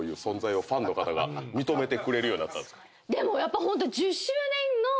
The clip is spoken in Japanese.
でもやっぱホント。